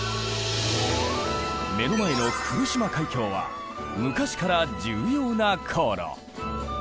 目の前の来島海峡は昔から重要な航路。